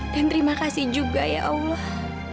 dan terima kasih juga ya allah